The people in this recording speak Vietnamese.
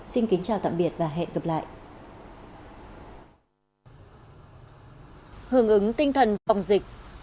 xin kính chào tạm biệt và hẹn gặp lại